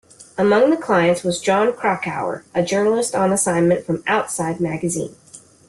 Among the clients was Jon Krakauer, a journalist on assignment from "Outside" magazine.